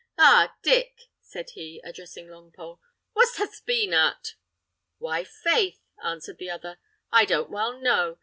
"Ah! Dick," said he, addressing Longpole, "what hast been at?" "Why, faith," answered the other, "I don't well know.